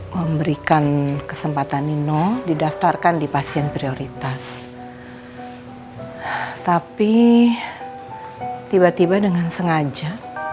memberikan kesempatan nino didaftarkan di pasien prioritas tapi tiba tiba dengan sengaja